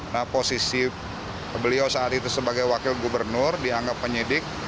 nah posisi beliau saat itu sebagai wakil gubernur dianggap penyidik